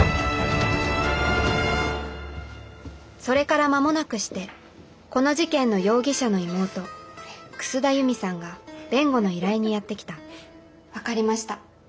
それから間もなくしてこの事件の容疑者の妹楠田悠美さんが弁護の依頼にやって来た分かりました。